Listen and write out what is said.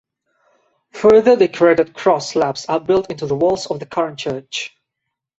Further decorated cross slabs are built into the walls of the current church.